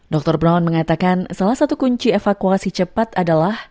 dr brown mengatakan salah satu kunci evakuasi cepat adalah